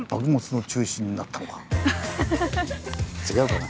違うかな。